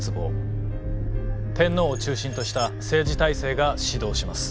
天皇を中心とした政治体制が始動します。